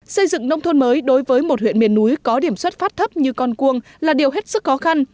xây dựng nông thôn mới đối với một huyện miền núi có điểm xuất phát thấp như con cuông là điều hết sức khó khăn